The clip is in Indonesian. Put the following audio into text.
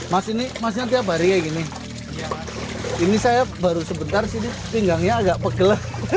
mas ini masnya tiap hari kayak gini ini saya baru sebentar sih pinggangnya agak pegel